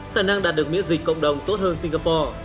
khả năng đạt được miễn dịch cộng đồng tốt hơn singapore